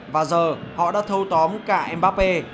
và giờ họ đã thâu tóm cả mbappé